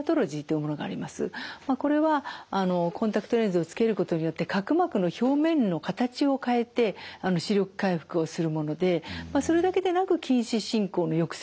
これはコンタクトレンズをつけることによって角膜の表面の形を変えて視力回復をするものでそれだけでなく近視進行の抑制効果が出ます。